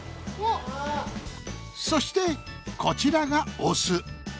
そしてこちらがオス。